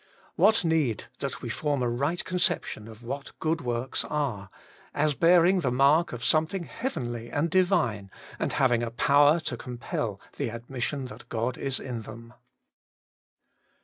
What need that we form a right conception of what good works are, as bearing the mark of something heavenly and divine, and having a power to compel the admission that God is in them.